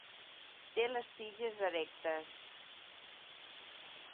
Té les tiges erectes.